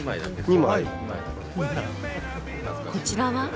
こちらは？